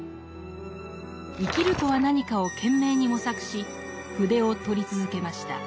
「生きるとは何か」を懸命に模索し筆を執り続けました。